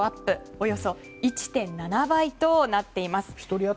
およそ１．７倍となっています。